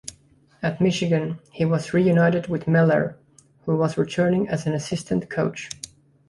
At Michigan, he was reunited with Moeller, who was returning as an assistant coach.